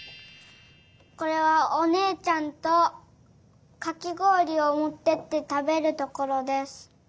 これはおねえちゃんとかきごおりをもってってたべるところです。